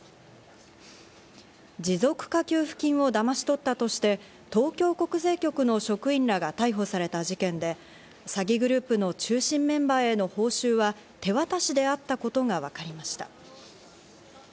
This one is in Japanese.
持続化給付金をだまし取ったとして、東京国税局の職員らが逮捕された事件で、詐欺グループの中心メンバーへの報酬は手渡しであったことがわかりました。